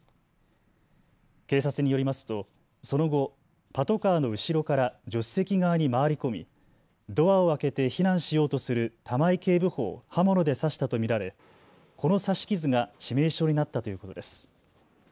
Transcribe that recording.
警察によりますとその後、パトカーの後ろから助手席側に回り込みドアを開けて避難しようとする玉井警部補を刃物で刺したと見られ、この刺し傷が致命傷になったということです。